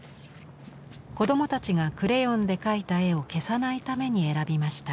子供たちがクレヨンで描いた絵を消さないために選びました。